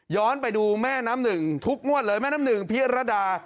ไปดูแม่น้ำหนึ่งทุกงวดเลยแม่น้ำหนึ่งพิรดา